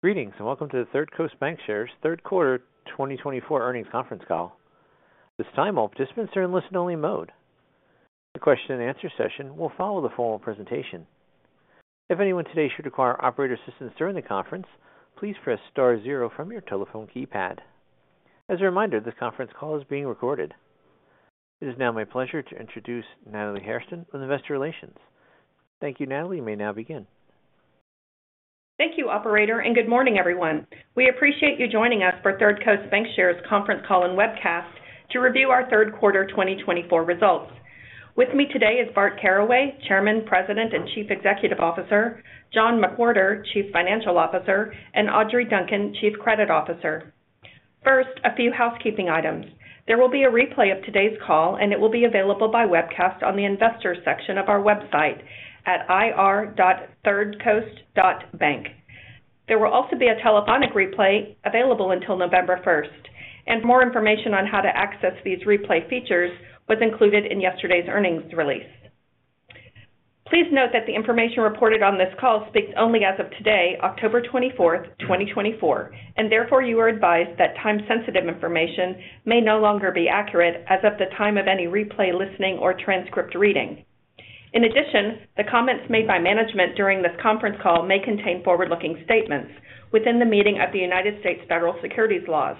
Greetings, and welcome to the Third Coast Bancshares third quarter twenty twenty-four earnings conference call. This time, all participants are in listen-only mode. The question-and-answer session will follow the formal presentation. If anyone today should require operator assistance during the conference, please press star zero from your telephone keypad. As a reminder, this conference call is being recorded. It is now my pleasure to introduce Natalie Hairston from Investor Relations. Thank you, Natalie. You may now begin. Thank you, operator, and good morning, everyone. We appreciate you joining us for Third Coast Bancshares conference call and webcast to review our third quarter twenty twenty-four results. With me today is Bart Caraway, Chairman, President, and Chief Executive Officer, John McWhorter, Chief Financial Officer, and Audrey Duncan, Chief Credit Officer. First, a few housekeeping items. There will be a replay of today's call, and it will be available by webcast on the Investors section of our website at ir.thirdcoast.bank. There will also be a telephonic replay available until November first, and more information on how to access these replay features was included in yesterday's earnings release. Please note that the information reported on this call speaks only as of today, October twenty-fourth, twenty twenty-four, and therefore, you are advised that time-sensitive information may no longer be accurate as of the time of any replay, listening, or transcript reading. In addition, the comments made by management during this conference call may contain forward-looking statements within the meaning of the United States federal securities laws.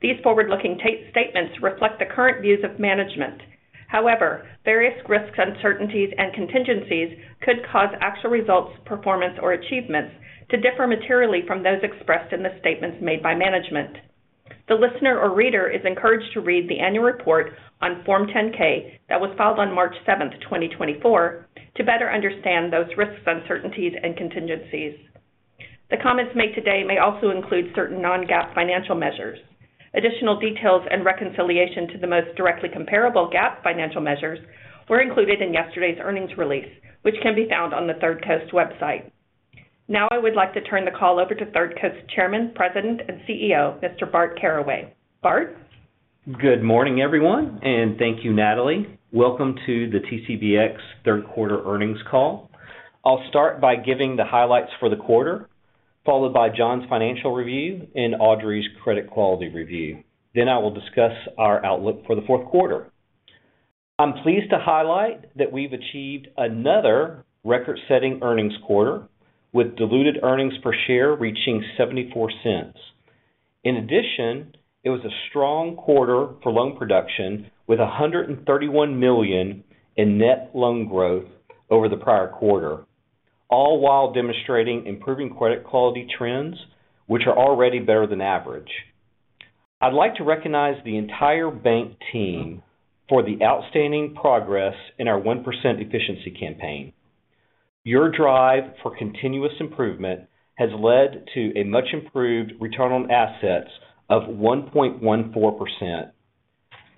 These forward-looking statements reflect the current views of management. However, various risks, uncertainties, and contingencies could cause actual results, performance, or achievements to differ materially from those expressed in the statements made by management. The listener or reader is encouraged to read the annual report on Form 10-K that was filed on March seventh, 2024, to better understand those risks, uncertainties, and contingencies. The comments made today may also include certain non-GAAP financial measures. Additional details and reconciliation to the most directly comparable GAAP financial measures were included in yesterday's earnings release, which can be found on the Third Coast website. Now, I would like to turn the call over to Third Coast Chairman, President, and CEO, Mr. Bart Caraway. Bart? Good morning, everyone, and thank you, Natalie. Welcome to the TCBX third quarter earnings call. I'll start by giving the highlights for the quarter, followed by John's financial review and Audrey's credit quality review. Then I will discuss our outlook for the fourth quarter. I'm pleased to highlight that we've achieved another record-setting earnings quarter, with diluted earnings per share reaching $0.74. In addition, it was a strong quarter for loan production, with $131 million in net loan growth over the prior quarter, all while demonstrating improving credit quality trends, which are already better than average. I'd like to recognize the entire bank team for the outstanding progress in our 1% efficiency campaign. Your drive for continuous improvement has led to a much improved return on assets of 1.14%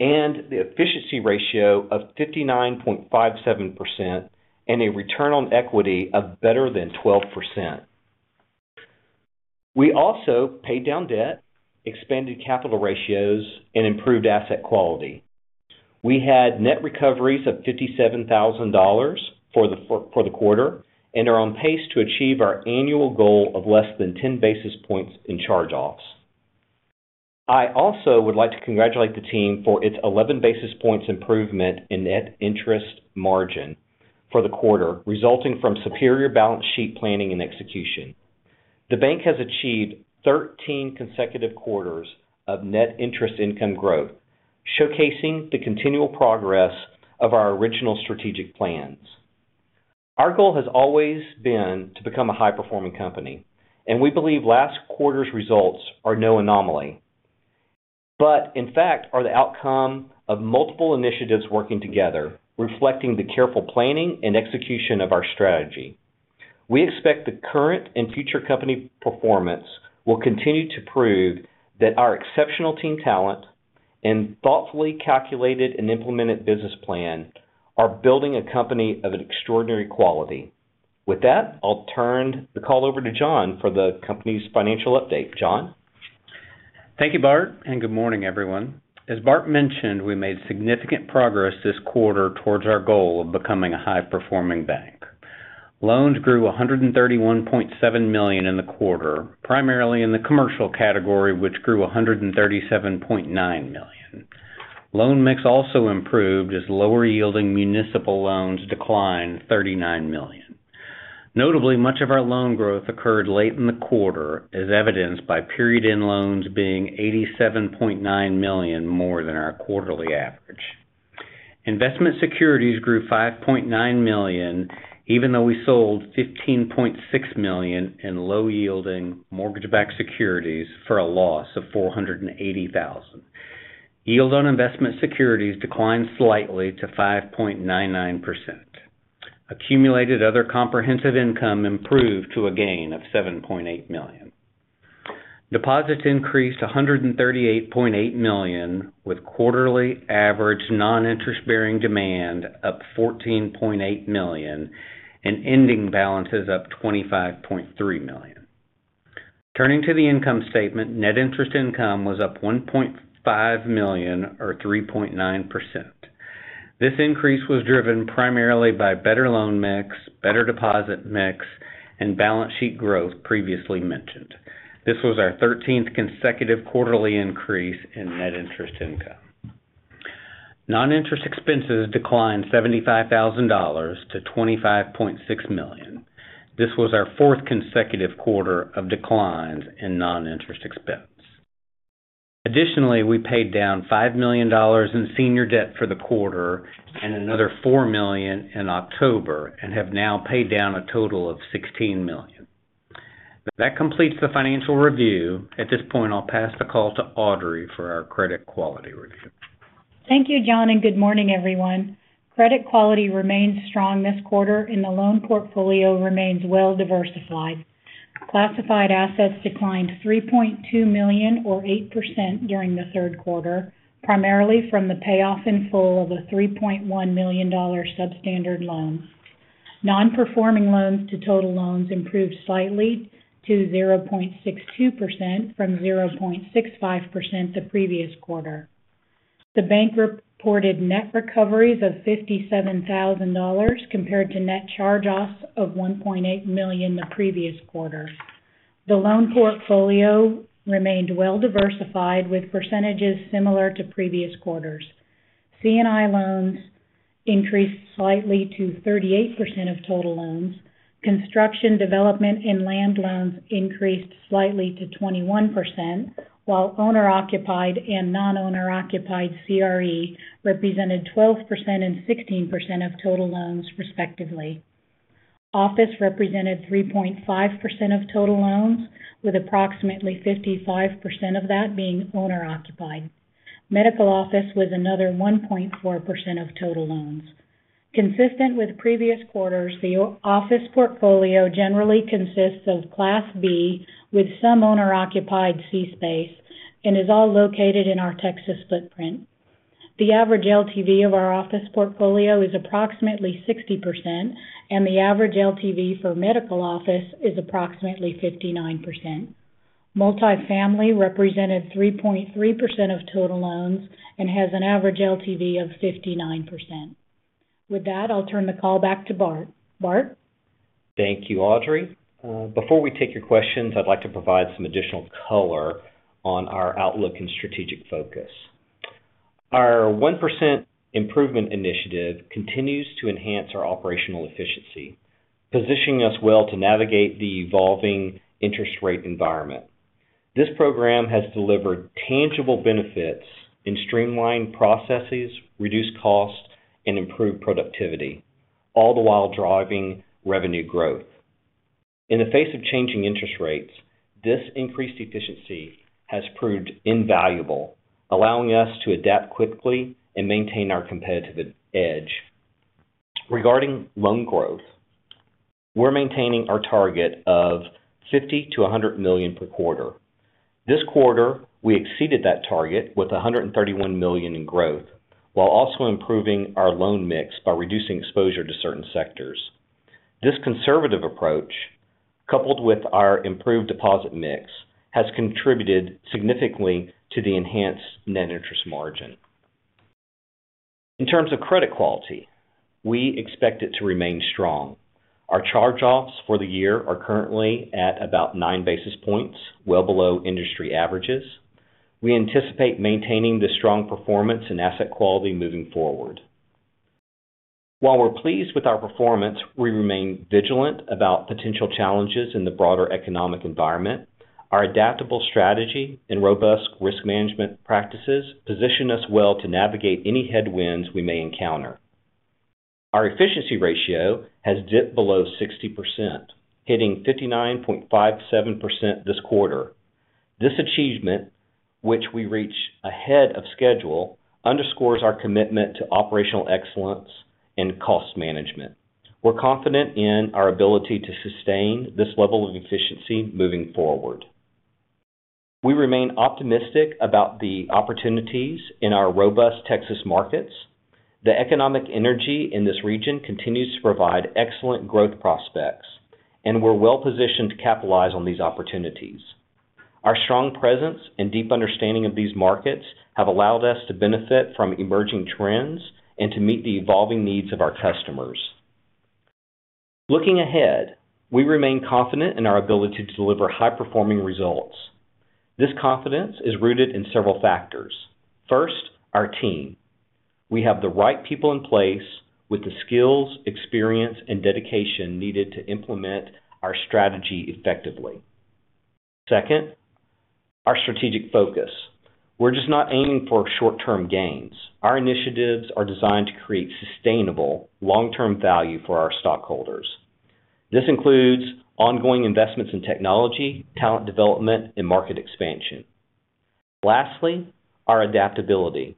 and the efficiency ratio of 59.57% and a return on equity of better than 12%. We also paid down debt, expanded capital ratios, and improved asset quality. We had net recoveries of $57,000 for the quarter and are on pace to achieve our annual goal of less than 10 basis points in charge-offs. I also would like to congratulate the team for its 11 basis points improvement in net interest margin for the quarter, resulting from superior balance sheet planning and execution. The bank has achieved 13 consecutive quarters of net interest income growth, showcasing the continual progress of our original strategic plans. Our goal has always been to become a high-performing company, and we believe last quarter's results are no anomaly, but in fact, are the outcome of multiple initiatives working together, reflecting the careful planning and execution of our strategy. We expect the current and future company performance will continue to prove that our exceptional team talent and thoughtfully calculated and implemented business plan are building a company of an extraordinary quality. With that, I'll turn the call over to John for the company's financial update. John? Thank you, Bart, and good morning, everyone. As Bart mentioned, we made significant progress this quarter towards our goal of becoming a high-performing bank. Loans grew $131.7 million in the quarter, primarily in the commercial category, which grew $137.9 million. Loan mix also improved as lower-yielding municipal loans declined $39 million. Notably, much of our loan growth occurred late in the quarter, as evidenced by period-end loans being $87.9 million, more than our quarterly average. Investment securities grew $5.9 million, even though we sold $15.6 million in low-yielding mortgage-backed securities for a loss of $480,000. Yield on investment securities declined slightly to 5.99%. Accumulated Other Comprehensive Income improved to a gain of $7.8 million. Deposits increased $138.8 million, with quarterly average non-interest-bearing demand up $14.8 million and ending balances up $25.3 million. Turning to the income statement, net interest income was up $1.5 million, or 3.9%. This increase was driven primarily by better loan mix, better deposit mix, and balance sheet growth previously mentioned. This was our thirteenth consecutive quarterly increase in net interest income. Non-interest expenses declined $75,000 to $25.6 million. This was our fourth consecutive quarter of declines in non-interest expense. Additionally, we paid down $5 million in senior debt for the quarter and another $4 million in October, and have now paid down a total of $16 million. That completes the financial review. At this point, I'll pass the call to Audrey for our credit quality review. Thank you, John, and good morning, everyone. Credit quality remains strong this quarter and the loan portfolio remains well-diversified. Classified assets declined $3.2 million, or 8% during the third quarter, primarily from the payoff in full of a $3.1 million substandard loan. Non-performing loans to total loans improved slightly to 0.62% from 0.65% the previous quarter. The bank reported net recoveries of $57,000 compared to net charge-offs of $1.8 million the previous quarter. The loan portfolio remained well-diversified, with percentages similar to previous quarters. C&I loans increased slightly to 38% of total loans. Construction, development, and land loans increased slightly to 21%, while owner-occupied and non-owner-occupied CRE represented 12% and 16% of total loans, respectively. Office represented 3.5% of total loans, with approximately 55% of that being owner-occupied. Medical office was another 1.4% of total loans. Consistent with previous quarters, the office portfolio generally consists of Class B, with some owner-occupied C space, and is all located in our Texas footprint. The average LTV of our office portfolio is approximately 60%, and the average LTV for medical office is approximately 59%. Multifamily represented 3.3% of total loans and has an average LTV of 59%. With that, I'll turn the call back to Bart. Bart? Thank you, Audrey. Before we take your questions, I'd like to provide some additional color on our outlook and strategic focus. Our 1% improvement initiative continues to enhance our operational efficiency, positioning us well to navigate the evolving interest rate environment. This program has delivered tangible benefits in streamlined processes, reduced costs, and improved productivity, all the while driving revenue growth. In the face of changing interest rates, this increased efficiency has proved invaluable, allowing us to adapt quickly and maintain our competitive edge. Regarding loan growth, we're maintaining our target of $50-100 million per quarter. This quarter, we exceeded that target with $131 million in growth, while also improving our loan mix by reducing exposure to certain sectors. This conservative approach, coupled with our improved deposit mix, has contributed significantly to the enhanced net interest margin. In terms of credit quality, we expect it to remain strong. Our charge-offs for the year are currently at about nine basis points, well below industry averages. We anticipate maintaining the strong performance and asset quality moving forward. While we're pleased with our performance, we remain vigilant about potential challenges in the broader economic environment. Our adaptable strategy and robust risk management practices position us well to navigate any headwinds we may encounter. Our efficiency ratio has dipped below 60%, hitting 59.57% this quarter. This achievement, which we reach ahead of schedule, underscores our commitment to operational excellence and cost management. We're confident in our ability to sustain this level of efficiency moving forward. We remain optimistic about the opportunities in our robust Texas markets. The economic energy in this region continues to provide excellent growth prospects, and we're well-positioned to capitalize on these opportunities. Our strong presence and deep understanding of these markets have allowed us to benefit from emerging trends and to meet the evolving needs of our customers. Looking ahead, we remain confident in our ability to deliver high-performing results. This confidence is rooted in several factors. First, our team. We have the right people in place with the skills, experience, and dedication needed to implement our strategy effectively. Second, our strategic focus. We're just not aiming for short-term gains. Our initiatives are designed to create sustainable, long-term value for our stockholders. This includes ongoing investments in technology, talent development, and market expansion. Lastly, our adaptability.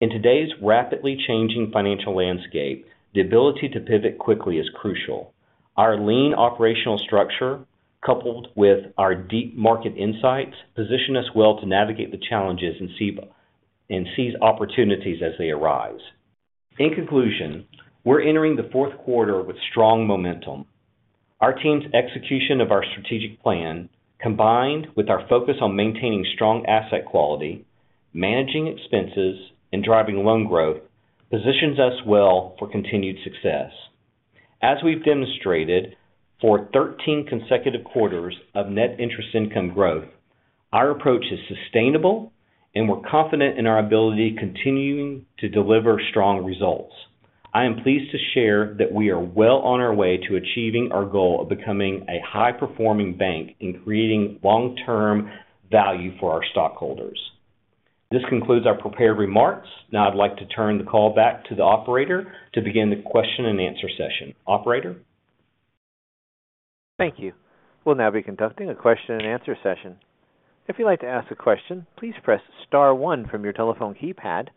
In today's rapidly changing financial landscape, the ability to pivot quickly is crucial. Our lean operational structure, coupled with our deep market insights, position us well to navigate the challenges and seize opportunities as they arise. In conclusion, we're entering the fourth quarter with strong momentum. Our team's execution of our strategic plan, combined with our focus on maintaining strong asset quality, managing expenses, and driving loan growth, positions us well for continued success. As we've demonstrated for 13 consecutive quarters of net interest income growth, our approach is sustainable, and we're confident in our ability continuing to deliver strong results. I am pleased to share that we are well on our way to achieving our goal of becoming a high-performing bank and creating long-term value for our stockholders. This concludes our prepared remarks. Now I'd like to turn the call back to the operator to begin the question-and-answer session. Operator? Thank you. We'll now be conducting a question-and-answer session. If you'd like to ask a question, please press star one from your telephone keypad,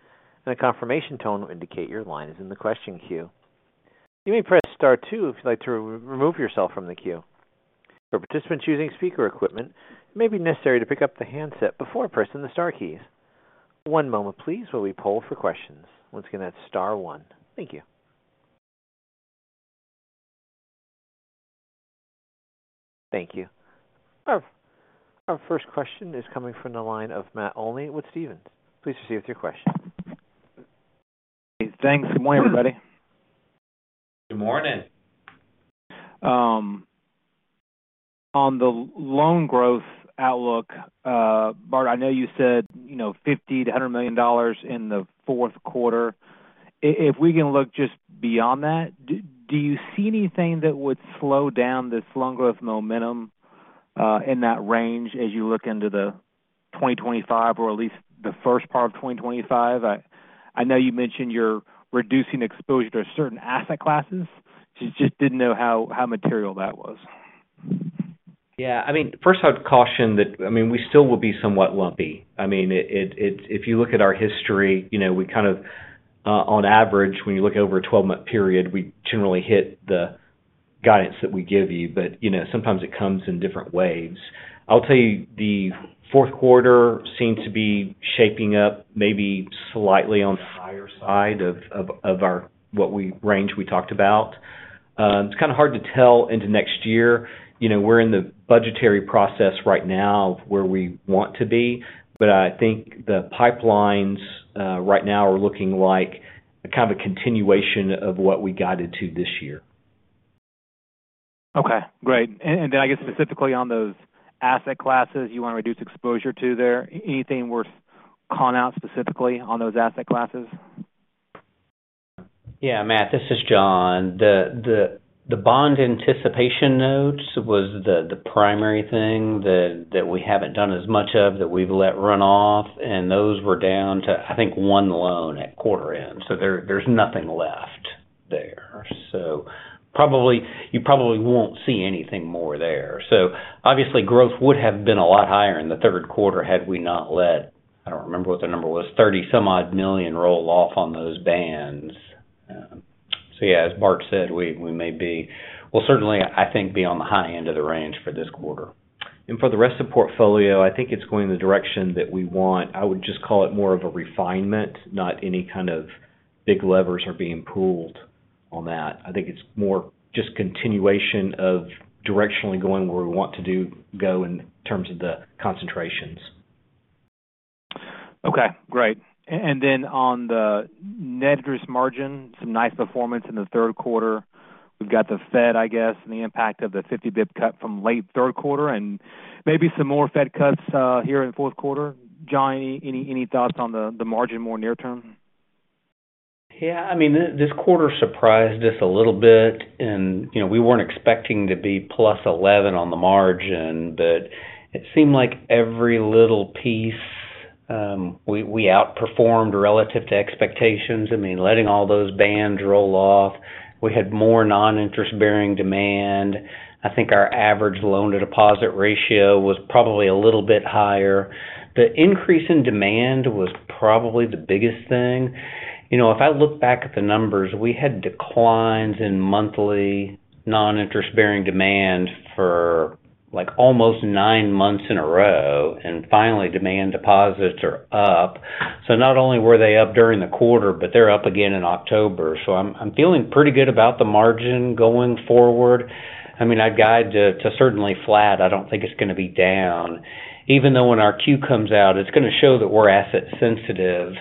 and a confirmation tone will indicate your line is in the question queue. You may press star two if you'd like to re-remove yourself from the queue. For participants using speaker equipment, it may be necessary to pick up the handset before pressing the star keys. One moment, please, while we poll for questions. Once again, that's star one. Thank you. Thank you. Our first question is coming from the line of Matt Olney with Stephens. Please proceed with your question. Thanks. Good morning, everybody. Good morning. On the loan growth outlook, Bart, I know you said, you know, $50 million-$100 million in the fourth quarter. If we can look just beyond that, do you see anything that would slow down this loan growth momentum in that range as you look into 2025, or at least the first part of 2025? I know you mentioned you're reducing exposure to certain asset classes. So just didn't know how material that was? Yeah, I mean, first, I would caution that, I mean, we still will be somewhat lumpy. I mean, if you look at our history, you know, we kind of, on average, when you look over a twelve-month period, we generally hit the guidance that we give you, but, you know, sometimes it comes in different waves. I'll tell you, the fourth quarter seems to be shaping up maybe slightly on the higher side of our, what range we talked about. It's kind of hard to tell into next year. You know, we're in the budgetary process right now of where we want to be, but I think the pipelines, right now are looking like a kind of a continuation of what we guided to this year. Okay, great. And then I guess, specifically on those asset classes you want to reduce exposure to there, anything worth calling out specifically on those asset classes? Yeah, Matt, this is John. The bond anticipation notes was the primary thing that we haven't done as much of, that we've let run off, and those were down to, I think, one loan at quarter end, so there's nothing left there. So probably you probably won't see anything more there. So obviously, growth would have been a lot higher in the third quarter had we not let, I don't remember what the number was, thirty-some-odd million roll off on those BANs. So yeah, as Bart said, we may be, well, certainly, I think, be on the high end of the range for this quarter, and for the rest of the portfolio, I think it's going in the direction that we want. I would just call it more of a refinement, not any kind of big levers are being pulled on that. I think it's more just continuation of directionally going where we want to go in terms of the concentrations. Okay, great. And then on the net interest margin, some nice performance in the third quarter. We've got the Fed, I guess, and the impact of the 50 basis points cut from late third quarter and maybe some more Fed cuts here in fourth quarter. John, any thoughts on the margin more near term? Yeah, I mean, this quarter surprised us a little bit, and, you know, we weren't expecting to be plus eleven on the margin, but it seemed like every little piece, we outperformed relative to expectations. I mean, letting all those BANs roll off, we had more non-interest-bearing demand. I think our average loan-to-deposit ratio was probably a little bit higher. The increase in demand was probably the biggest thing. You know, if I look back at the numbers, we had declines in monthly non-interest-bearing demand for, like, almost nine months in a row, and finally, demand deposits are up. So not only were they up during the quarter, but they're up again in October. So I'm feeling pretty good about the margin going forward. I mean, I'd guide to certainly flat. I don't think it's going to be down, even though when our Q comes out, it's going to show that we're asset sensitive.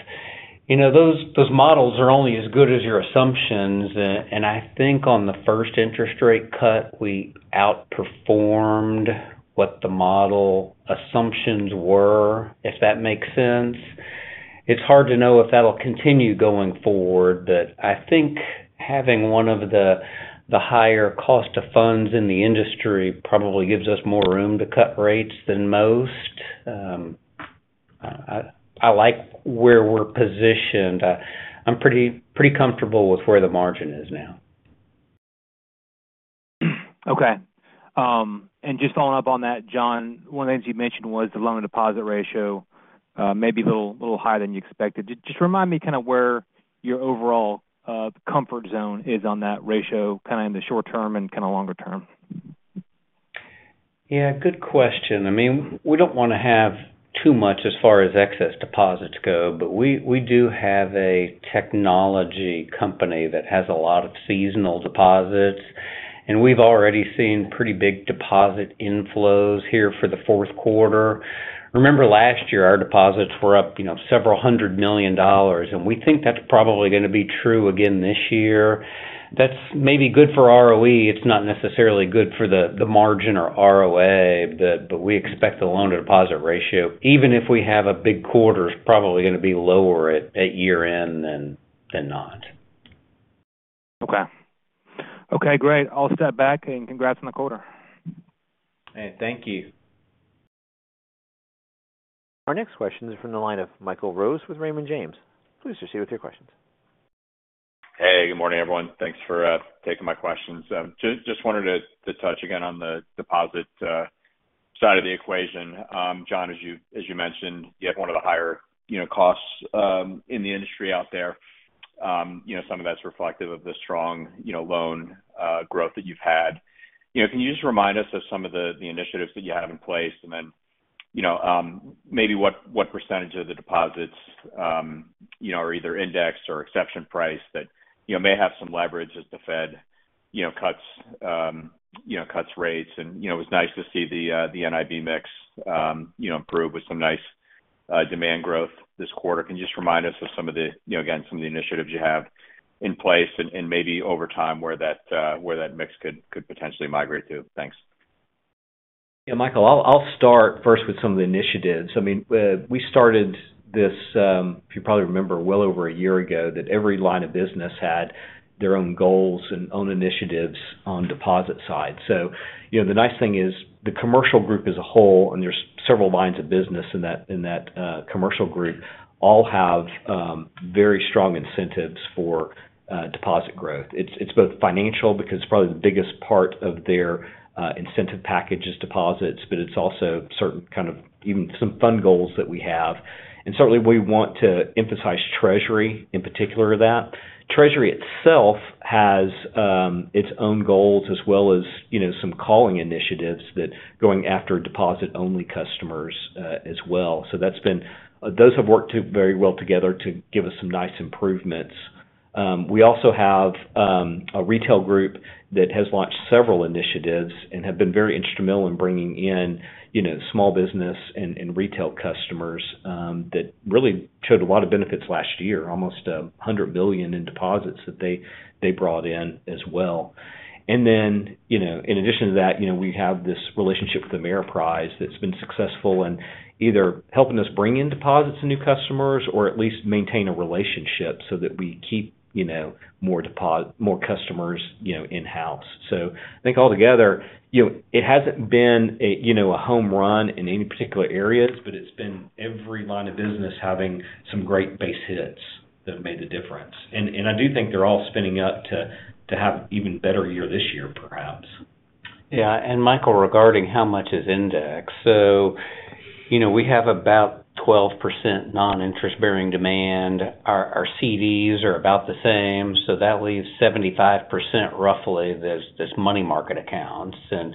You know, those models are only as good as your assumptions, and I think on the first interest rate cut, we outperformed what the model assumptions were, if that makes sense. It's hard to know if that'll continue going forward, but I think having one of the higher cost of funds in the industry probably gives us more room to cut rates than most. I like where we're positioned. I'm pretty comfortable with where the margin is now. Okay, and just following up on that, John, one of the things you mentioned was the loan-to-deposit ratio, maybe a little higher than you expected. Just remind me kind of where your overall comfort zone is on that ratio, kind of in the short term and kind of longer term. Yeah, good question. I mean, we don't wanna have too much as far as excess deposits go, but we do have a technology company that has a lot of seasonal deposits, and we've already seen pretty big deposit inflows here for the fourth quarter. Remember last year, our deposits were up, you know, several hundred million dollars, and we think that's probably gonna be true again this year. That's maybe good for ROE, it's not necessarily good for the margin or ROA, but we expect the loan-to-deposit ratio, even if we have a big quarter, is probably gonna be lower at year-end than not. Okay. Okay, great. I'll step back, and congrats on the quarter. Hey, thank you. Our next question is from the line of Michael Rose with Raymond James. Please proceed with your questions. Hey, good morning, everyone. Thanks for taking my questions. Just wanted to touch again on the deposit side of the equation. John, as you mentioned, you have one of the higher, you know, costs in the industry out there. You know, some of that's reflective of the strong, you know, loan growth that you've had. You know, can you just remind us of some of the initiatives that you have in place? And then, you know, maybe what percentage of the deposits, you know, are either indexed or exception priced that, you know, may have some leverage as the Fed, you know, cuts, you know, cuts rates? And, you know, it was nice to see the NIB mix, you know, improve with some nice demand growth this quarter. Can you just remind us of some of the, you know, again, some of the initiatives you have in place and maybe over time, where that mix could potentially migrate to? Thanks. Yeah, Michael, I'll start first with some of the initiatives. I mean, we started this, if you probably remember, well over a year ago, that every line of business had their own goals and own initiatives on deposit side. So, you know, the nice thing is the commercial group as a whole, and there's several lines of business in that commercial group, all have very strong incentives for deposit growth. It's both financial, because probably the biggest part of their incentive package is deposits, but it's also certain kind of even some fund goals that we have. And certainly, we want to emphasize treasury, in particular, that. Treasury itself has its own goals as well as, you know, some calling initiatives that going after deposit-only customers, as well. That's been. Those have worked very well together to give us some nice improvements. We also have a retail group that has launched several initiatives and have been very instrumental in bringing in, you know, small business and retail customers that really showed a lot of benefits last year, almost $100 million in deposits that they brought in as well. And then, you know, in addition to that, you know, we have this relationship with Ameriprise that's been successful in either helping us bring in deposits and new customers, or at least maintain a relationship so that we keep, you know, more customers, you know, in-house. So I think altogether, you know, it hasn't been a, you know, a home run in any particular areas, but it's been every line of business having some great base hits that have made the difference. And I do think they're all spinning up to have even better year this year, perhaps. Yeah, and Michael, regarding how much is indexed. So, you know, we have about 12% non-interest-bearing demand. Our CDs are about the same, so that leaves 75%, roughly, that's just money market accounts. And,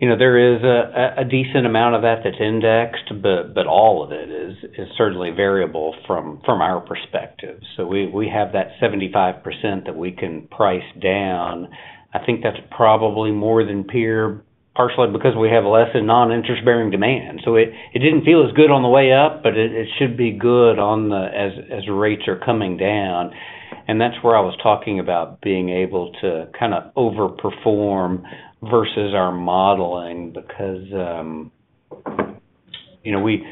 you know, there is a decent amount of that that's indexed, but all of it is certainly variable from our perspective. So we have that 75% that we can price down. I think that's probably more than peer, partially because we have less in non-interest-bearing demand. So it didn't feel as good on the way up, but it should be good on the—as rates are coming down. That's where I was talking about being able to kind of overperform versus our modeling, because you know, we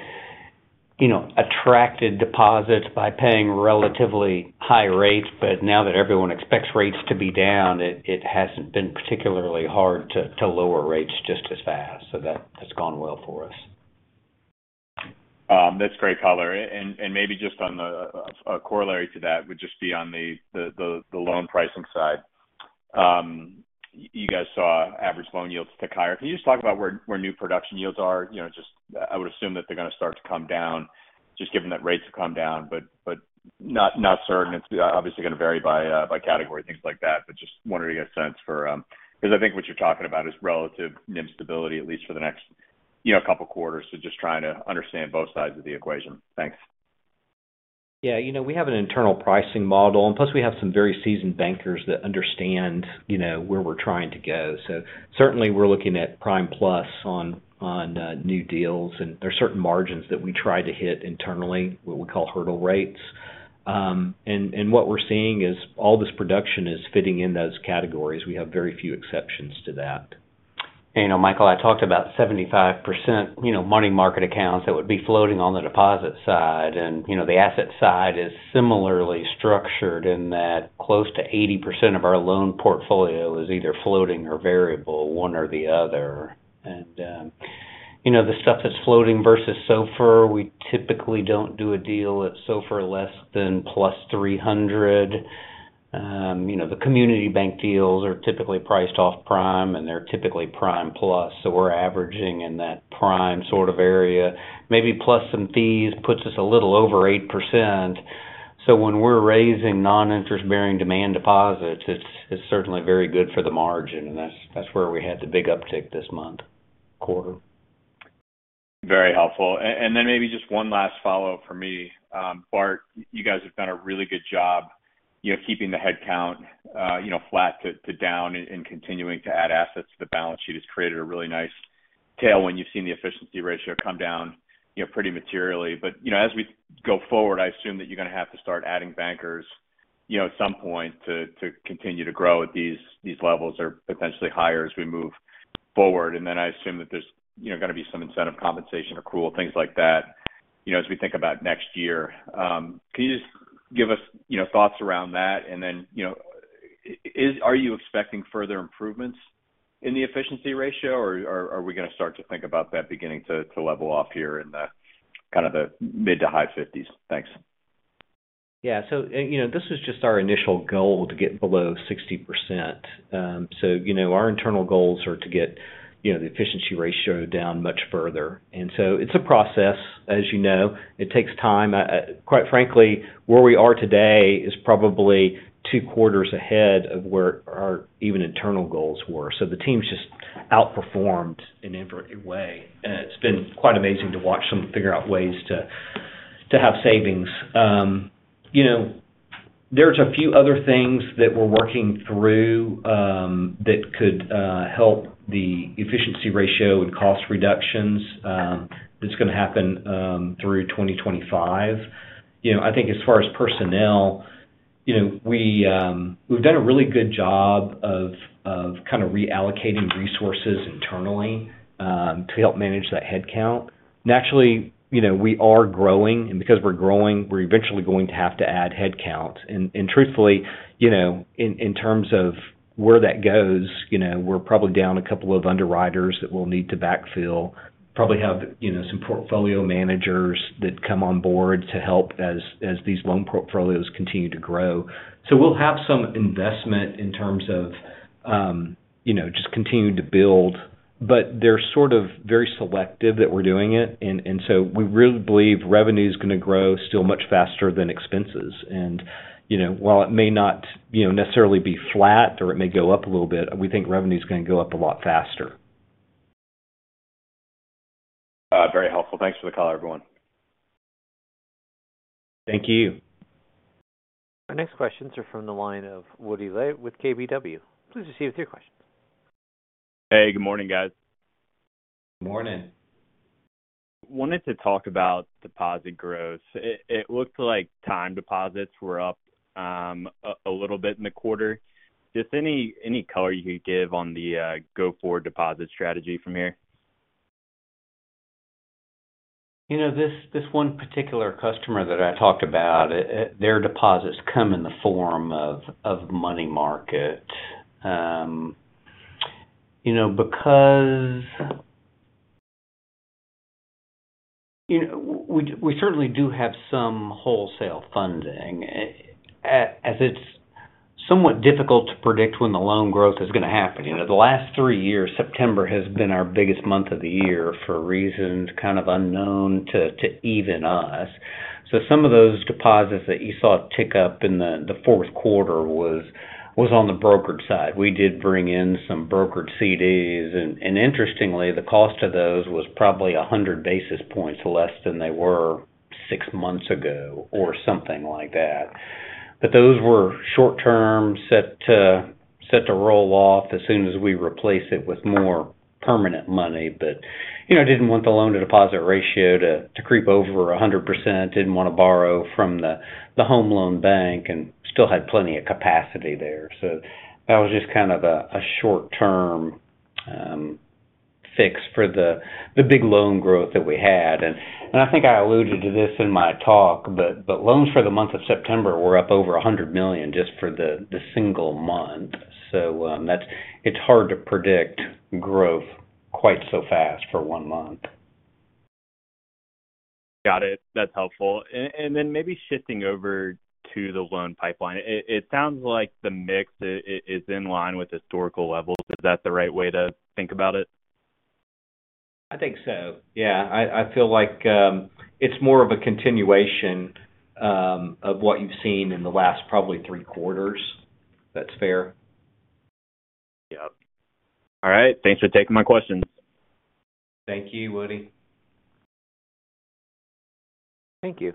you know, attracted deposits by paying relatively high rates, but now that everyone expects rates to be down, it hasn't been particularly hard to lower rates just as fast. So that has gone well for us. That's great color. And maybe just on the a corollary to that would just be on the loan pricing side. You guys saw average loan yields tick higher. Can you just talk about where new production yields are? You know, just, I would assume that they're gonna start to come down, just given that rates have come down, but not certain. It's obviously gonna vary by category, things like that, but just wondering to get a sense for. Because I think what you're talking about is relative NIM stability, at least for the next, you know, couple quarters. So just trying to understand both sides of the equation. Thanks. Yeah, you know, we have an internal pricing model, and plus we have some very seasoned bankers that understand, you know, where we're trying to go. So certainly, we're looking at prime plus on new deals, and there are certain margins that we try to hit internally, what we call hurdle rates. And what we're seeing is all this production is fitting in those categories. We have very few exceptions to that. And you know, Michael, I talked about 75%, you know, money market accounts that would be floating on the deposit side. And, you know, the asset side is similarly structured in that close to 80% of our loan portfolio is either floating or variable, one or the other. And, you know, the stuff that's floating versus SOFR, we typically don't do a deal at SOFR less than plus 300. You know, the community bank deals are typically priced off prime, and they're typically prime plus, so we're averaging in that prime sort of area. Maybe plus some fees, puts us a little over 8%. So when we're raising non-interest-bearing demand deposits, it's, it's certainly very good for the margin, and that's, that's where we had the big uptick this month, quarter. Very helpful. And then maybe just one last follow-up for me. Bart, you guys have done a really good job, you know, keeping the headcount, you know, flat to, to down and continuing to add assets to the balance sheet has created a really nice tail when you've seen the efficiency ratio come down, you know, pretty materially. But, you know, as we go forward, I assume that you're gonna have to start adding bankers, you know, at some point to, to continue to grow at these, these levels or potentially higher as we move forward. And then I assume that there's, you know, gonna be some incentive compensation accrual, things like that, you know, as we think about next year. Can you just give us, you know, thoughts around that? And then, you know, is—are you expecting further improvements in the efficiency ratio, or are we gonna start to think about that beginning to level off here in the kind of the mid to high fifties? Thanks. Yeah. So, and, you know, this is just our initial goal to get below 60%. So, you know, our internal goals are to get, you know, the efficiency ratio down much further. And so it's a process, as you know. It takes time. Quite frankly, where we are today is probably two quarters ahead of where our even internal goals were. So the team's just outperformed in every way, and it's been quite amazing to watch them figure out ways to have savings. You know, there's a few other things that we're working through that could help the efficiency ratio and cost reductions. That's gonna happen through 2025. You know, I think as far as personnel, you know, we, we've done a really good job of kind of reallocating resources internally to help manage that headcount. Naturally, you know, we are growing, and because we're growing, we're eventually going to have to add headcount. And truthfully, you know, in terms of where that goes, you know, we're probably down a couple of underwriters that we'll need to backfill. Probably have, you know, some portfolio managers that come on board to help as these loan portfolios continue to grow. So we'll have some investment in terms of, you know, just continuing to build, but they're sort of very selective that we're doing it. And so we really believe revenue is gonna grow still much faster than expenses. And, you know, while it may not, you know, necessarily be flat or it may go up a little bit, we think revenue is gonna go up a lot faster. Very helpful. Thanks for the call, everyone. Thank you. Our next questions are from the line of Woody Lay with KBW. Please proceed with your question. Hey, good morning, guys. Morning. Wanted to talk about deposit growth. It looked like time deposits were up a little bit in the quarter. Just any color you could give on the go-forward deposit strategy from here? You know, this one particular customer that I talked about, their deposits come in the form of money market. You know, because... You know, we certainly do have some wholesale funding, as it's somewhat difficult to predict when the loan growth is gonna happen. You know, the last three years, September has been our biggest month of the year for reasons kind of unknown to even us. So some of those deposits that you saw tick up in the fourth quarter was on the brokered side. We did bring in some brokered CDs, and interestingly, the cost of those was probably 100 basis points less than they were six months ago or something like that. But those were short term, set to roll off as soon as we replace it with more permanent money. But, you know, didn't want the loan-to-deposit ratio to creep over 100%, didn't want to borrow from the home loan bank and still had plenty of capacity there. So that was just kind of a short term fix for the big loan growth that we had. And I think I alluded to this in my talk, but loans for the month of September were up over $100 million just for the single month. So that's it hard to predict growth quite so fast for one month. Got it. That's helpful. And then maybe shifting over to the loan pipeline. It sounds like the mix is in line with historical levels. Is that the right way to think about it? I think so, yeah. I feel like it's more of a continuation of what you've seen in the last probably three quarters. That's fair. Yep. All right. Thanks for taking my questions. Thank you, Woody. Thank you.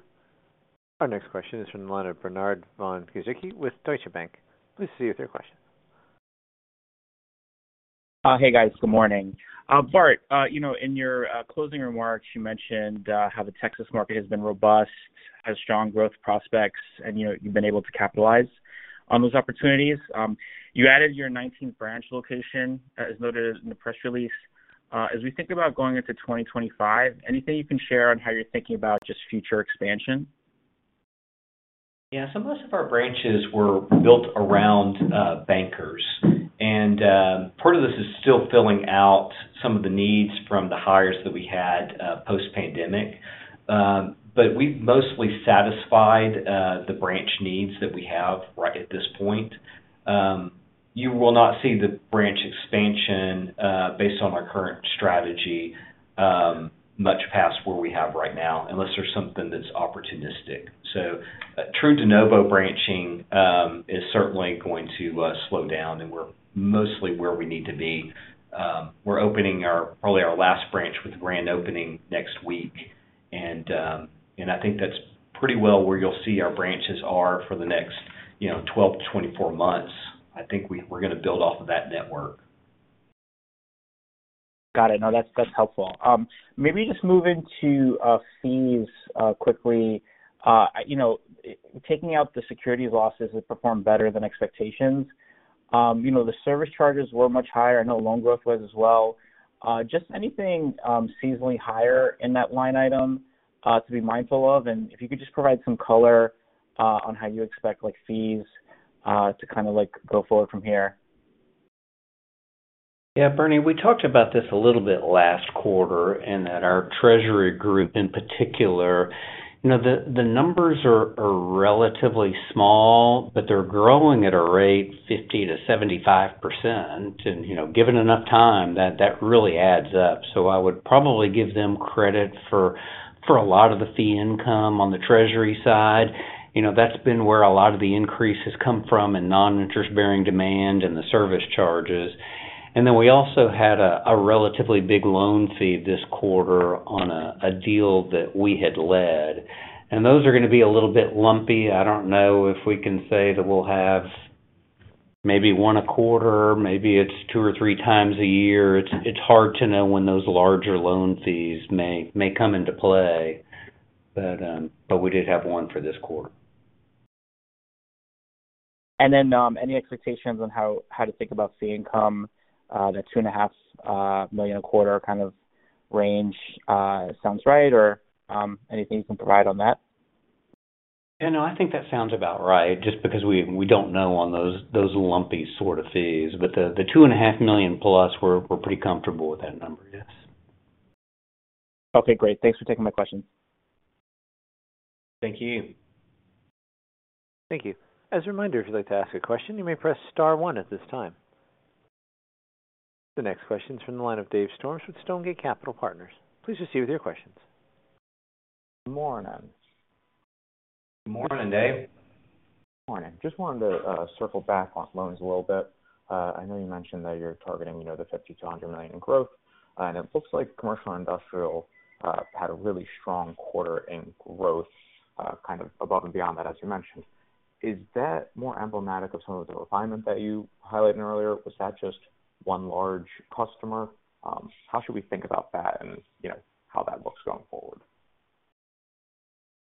Our next question is from the line of Bernard Von Bezold with Deutsche Bank. Please proceed with your question. Hey, guys. Good morning. Bart, you know, in your closing remarks, you mentioned how the Texas market has been robust, has strong growth prospects, and, you know, you've been able to capitalize on those opportunities. You added your nineteenth branch location, as noted in the press release. As we think about going into 2025, anything you can share on how you're thinking about just future expansion? Yeah. So most of our branches were built around bankers, and part of this is still filling out some of the needs from the hires that we had post-pandemic. But we've mostly satisfied the branch needs that we have right at this point. You will not see the branch expansion based on our current strategy much past where we have right now, unless there's something that's opportunistic. So true de novo branching is certainly going to slow down, and we're mostly where we need to be. We're opening probably our last branch with the grand opening next week, and I think that's pretty well where you'll see our branches are for the next, you know, twelve to twenty-four months. I think we're gonna build off of that network. Got it. No, that's, that's helpful. Maybe just moving to fees quickly. You know, taking out the securities losses, it performed better than expectations. You know, the service charges were much higher. I know loan growth was as well. Just anything seasonally higher in that line item to be mindful of? And if you could just provide some color on how you expect, like, fees to kind of, like, go forward from here. Yeah, Bernie, we talked about this a little bit last quarter, and that our treasury group, in particular, you know, the numbers are relatively small, but they're growing at a rate 50%-75%. And, you know, given enough time, that really adds up. So I would probably give them credit for a lot of the fee income on the treasury side. You know, that's been where a lot of the increase has come from in non-interest-bearing demand and the service charges. And then we also had a relatively big loan fee this quarter on a deal that we had led, and those are gonna be a little bit lumpy. I don't know if we can say that we'll have maybe one a quarter, maybe it's two or three times a year. It's hard to know when those larger loan fees may come into play, but we did have one for this quarter. And then, any expectations on how to think about fee income, the $2.5 million a quarter kind of range sounds right, or anything you can provide on that? Yeah, no, I think that sounds about right, just because we don't know on those lumpy sort of fees. But the $2.5 million plus, we're pretty comfortable with that number, yes. Okay, great. Thanks for taking my questions. Thank you. Thank you. As a reminder, if you'd like to ask a question, you may press star one at this time. The next question is from the line of Dave Storms with Stonegate Capital Partners. Please proceed with your questions. Good morning. Good morning, Dave. Morning. Just wanted to circle back on loans a little bit. I know you mentioned that you're targeting, you know, the $50-$100 million in growth, and it looks like commercial industrial had a really strong quarter in growth, kind of above and beyond that, as you mentioned. Is that more emblematic of some of the refinement that you highlighted earlier, or was that just one large customer? How should we think about that and, you know, how that looks going forward?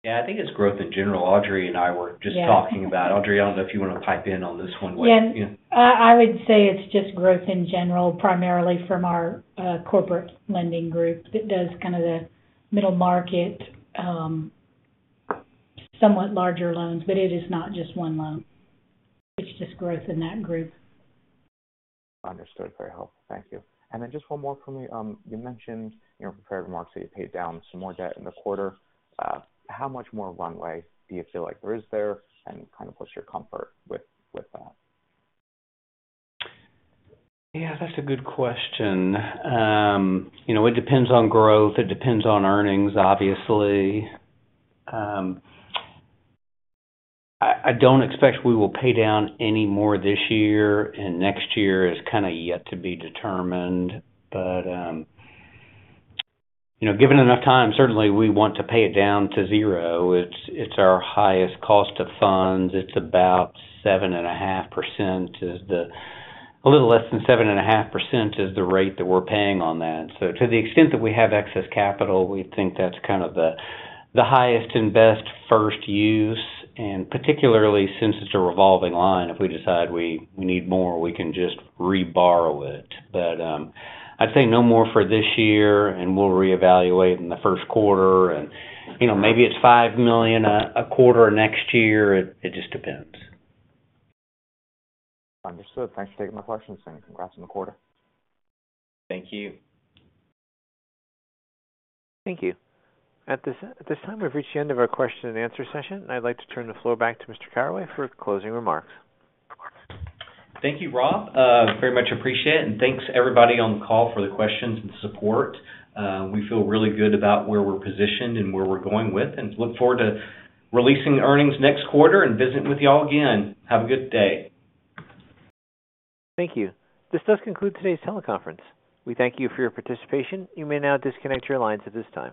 Yeah, I think it's growth in general. Audrey and I were- Yeah. just talking about... Audrey, I don't know if you wanna pipe in on this one with- Yeah. Yeah. I would say it's just growth in general, primarily from our corporate lending group that does kind of the middle market, somewhat larger loans. But it is not just one loan, it's just growth in that group. Understood. Very helpful. Thank you. And then just one more for me. You mentioned in your prepared remarks that you paid down some more debt in the quarter. How much more runway do you feel like there is there, and kind of what's your comfort with, with that? Yeah, that's a good question. You know, it depends on growth, it depends on earnings, obviously. I don't expect we will pay down any more this year, and next year is kind of yet to be determined. But you know, given enough time, certainly we want to pay it down to zero. It's our highest cost of funds. It's about 7.5%, a little less than 7.5% is the rate that we're paying on that. So to the extent that we have excess capital, we think that's kind of the highest and best first use, and particularly since it's a revolving line, if we decide we need more, we can just reborrow it. But I'd say no more for this year, and we'll reevaluate in the first quarter. You know, maybe it's $5 million a quarter next year. It just depends. Understood. Thanks for taking my questions, and congrats on the quarter. Thank you. Thank you. At this time, we've reached the end of our question and answer session, and I'd like to turn the floor back to Mr. Caraway for closing remarks. Thank you, Rob. Very much appreciate it, and thanks everybody on the call for the questions and support. We feel really good about where we're positioned and where we're going with, and look forward to releasing earnings next quarter and visiting with you all again. Have a good day. Thank you. This does conclude today's teleconference. We thank you for your participation. You may now disconnect your lines at this time.